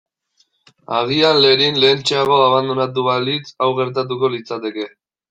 Agian Lerin lehentxeago abandonatu balitz hau gertatuko litzateke.